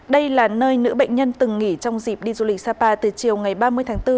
đây là nơi nữ bệnh nhân từng nghỉ trong dịp đi du lịch sapa từ chiều ngày ba mươi tháng bốn